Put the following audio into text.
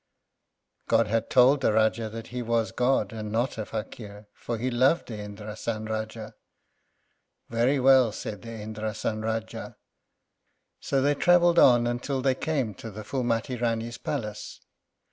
God had told the Rájá that he was God and not a Fakír, for he loved the Indrásan Rájá. "Very well," said the Indrásan Rájá. So they travelled on until they came to the Phúlmati Rání's palace.